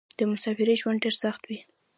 د مسافرۍ ژوند ډېر سخت وې.